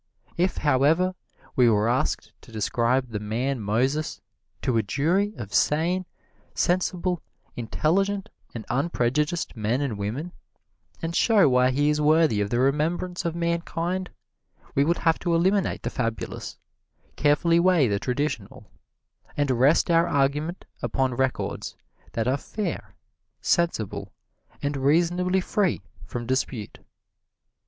If, however, we were asked to describe the man Moses to a jury of sane, sensible, intelligent and unprejudiced men and women, and show why he is worthy of the remembrance of mankind, we would have to eliminate the fabulous, carefully weigh the traditional, and rest our argument upon records that are fair, sensible and reasonably free from dispute.